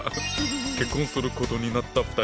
結婚することになった２人。